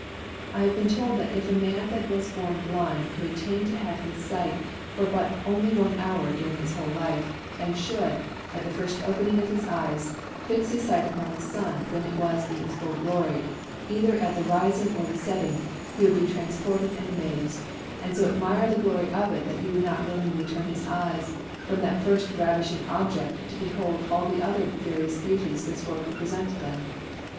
I have been told that if a man that was born blind could attain to have his sight for but only one hour during his whole life, and should, at the first opening of his eyes, fix his sight upon the sun when it was in its full glory, either at the rising or the setting, he would be transported and amazed, and so admire the glory of it that he would not willingly turn his eyes from that first ravishing object to behold all the other various beauties this world could present to them.